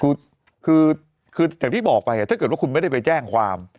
คือคืออย่างที่บอกไปถ้าเกิดว่าคุณไม่ได้ไปแจ้งความ